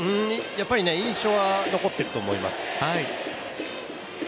やっぱり印象は残っていると思います。